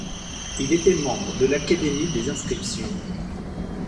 Il était membre de l’académie des inscriptions.